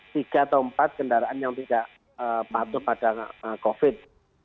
tiga atau empat kendaraan yang tidak patuh pada covid